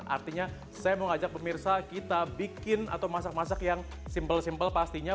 artinya saya mau ngajak pemirsa kita bikin atau masak masak yang simple simpel pastinya